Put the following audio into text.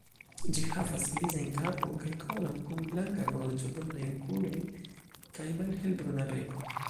Ĝi havas grizajn kapon kaj kolon, kun blanka gorĝo, brunaj okuloj kaj malhelbruna beko.